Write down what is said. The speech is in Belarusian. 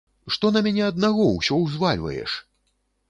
Што на мяне аднаго ўсё ўзвальваеш?